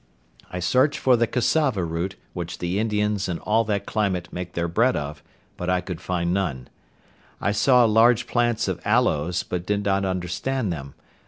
I searched for the cassava root, which the Indians, in all that climate, make their bread of, but I could find none. I saw large plants of aloes, but did not understand them.